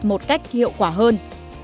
một cách hiệu quả hơn